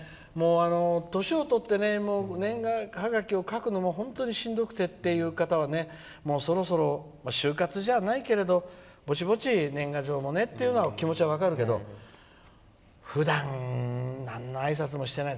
年をとって年賀はがきを書くのも本当にしんどくてという方はそろそろ終活じゃないけどぼちぼち年賀状もねという気持ちも分かるけどふだんなんのあいさつもしていない。